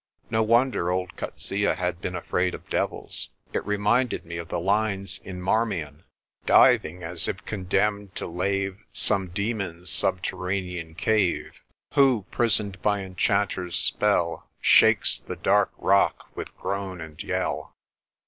No wonder old Coetzee had been afraid of devils. It re minded me of the lines in Marmion MY JOURNEY TO THE WINTER VELD 65 "Diving as if condemned to lave Some demon's subterranean cave, Who, prisoned by enchanter's spell, Shakes the dark rock with groan and yell."